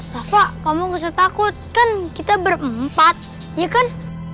rafa kamu gak usah takut kan kita berempat ya kan